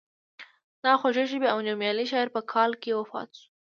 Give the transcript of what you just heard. دغه خوږ ژبی او نومیالی شاعر په کال کې وفات شو.